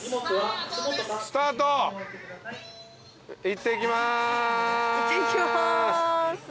いってきます。